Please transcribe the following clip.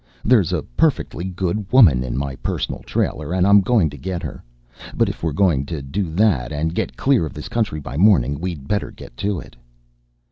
There's a perfectly good woman in my personal trailer, and I'm going to get her. But if we're going to do that and get clear of this country by morning, we'd better get to it."